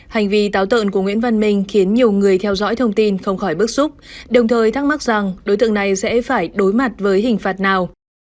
hành vi táo tợn của nguyễn văn minh khiến nhiều người theo dõi thông tin không khỏi bức xúc đồng thời thắc mắc rằng đối tượng này sẽ phải đối mặt với hình phạt nào